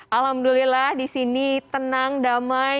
alhamdulillah di sini tenang damai